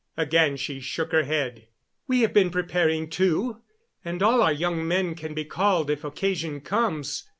Again she shook her head. "We have been preparing, too, and all our young men can be called if occasion comes.